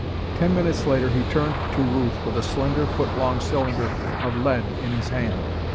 Ten minutes later he turned to Ruth with a slender foot long cylinder of lead in his hand.